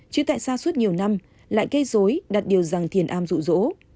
chứ tại sao suốt nhiều năm lại gây dối đặt điều rằng thiền an rụ rỗ